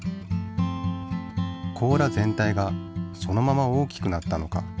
甲羅全体がそのまま大きくなったのか？